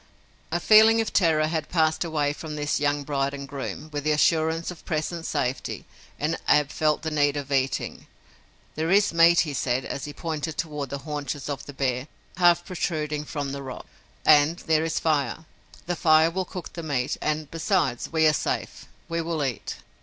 The feeling of terror had passed away from this young bride and groom, with the assurance of present safety, and Ab felt the need of eating. "There is meat," he said, as he pointed toward the haunches of the bear, half protruding from the rock, "and there is fire. The fire will cook the meat, and, besides, we are safe. We will eat!"